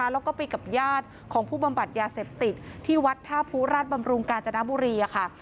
แล้วก็ไปกับญาติของผู้บำบัดยาเสพติดที่วัดท่าภูราชบำรุงกาญจนบุรีค่ะ